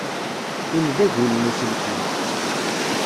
Tin d agul n uselkim.